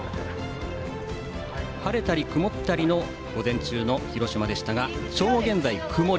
晴れたり曇ったりの午前中の広島でしたが正午現在、曇り。